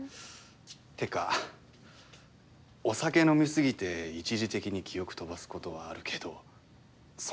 ってかお酒飲み過ぎて一時的に記憶飛ばすことはあるけどそんな忘れちゃうもの？